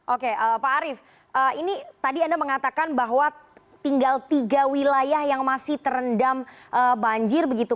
oke pak arief ini tadi anda mengatakan bahwa tinggal tiga wilayah yang masih terendam banjir begitu